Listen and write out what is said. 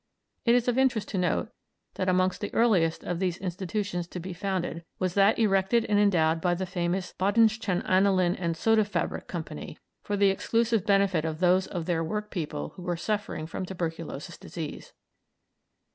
It is of interest to note that amongst the earliest of these institutions to be founded was that erected and endowed by the famous Badischen Anilin and Soda Fabrik Company, for the exclusive benefit of those of their workpeople who were suffering from tuberculous disease.